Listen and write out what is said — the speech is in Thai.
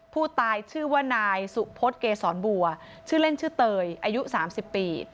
ผู้ตายชื่อว่านายสุพศเกษรบัวชื่อเล่นชื่อเตยอายุ๓๐ปี